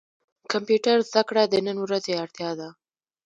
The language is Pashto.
کمپيوټر زده کړه د نن ورځي اړتيا ده.